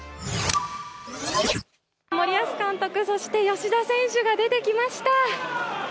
森保監督、そして吉田選手が出てきました。